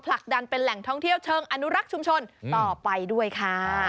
ผลักดันเป็นแหล่งท่องเที่ยวเชิงอนุรักษ์ชุมชนต่อไปด้วยค่ะ